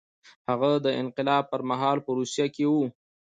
هغه د انقلاب پر مهال په روسیه کې و.